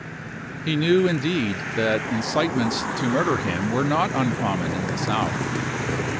He knew indeed that incitements to murder him were not uncommon in the South.